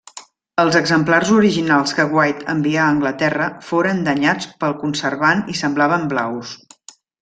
Els exemplars originals que White envià a Anglaterra foren danyats pel conservant i semblaven blaus.